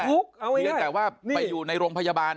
ติดคุกเอาง่ายมีแต่ว่าไปอยู่ในโรงพยาบาล